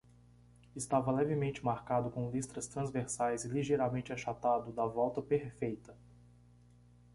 Estava levemente marcado com listras transversais e ligeiramente achatado da volta perfeita.